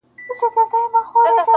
خاموسي تر ټولو دروند حالت دی,